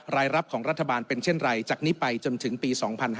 รายรับของรัฐบาลเป็นเช่นไรจากนี้ไปจนถึงปี๒๕๕๙